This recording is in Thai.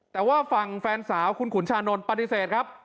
แต่ว่าฝั่งแฟนสาวคุณขุนชานนท์ปฏิเสธครับ